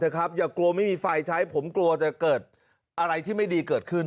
อย่ากลัวไม่มีไฟใช้ผมกลัวจะเกิดอะไรที่ไม่ดีเกิดขึ้น